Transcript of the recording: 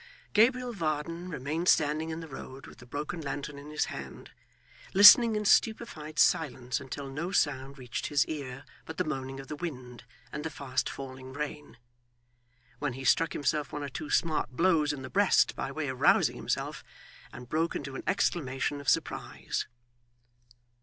Gabriel Varden remained standing in the road with the broken lantern in his hand, listening in stupefied silence until no sound reached his ear but the moaning of the wind, and the fast falling rain; when he struck himself one or two smart blows in the breast by way of rousing himself, and broke into an exclamation of surprise.